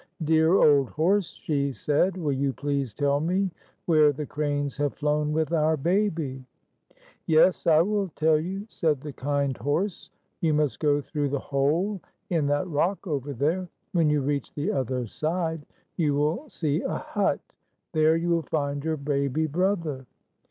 "Dear old horse," she said, "will you please tell me where the cranes have flown with our baby?" "Yes, I will tell you," said the kind horse. "You must go through the hole in that rock over there. When you reach the other side, you will see a hut. There you will find your baby brother."